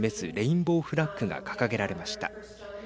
レインボーフラッグが掲げられました。